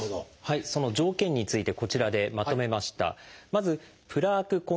その条件についてこちらでまとめました。